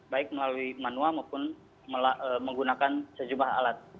baik melalui manual maupun menggunakan sejumlah alat